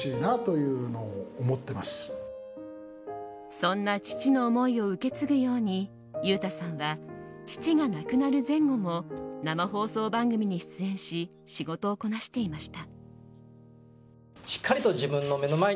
そんな父の思いを受け継ぐように裕太さんは父が亡くなる前後も生放送番組に出演し仕事をこなしていました。